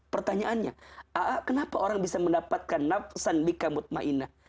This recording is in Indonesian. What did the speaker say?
pertanyaannya kenapa orang bisa mendapatkan nafsan liqa mutma'inah